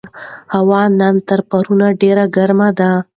هوا نن تر پرون ډېره ګرمه ده.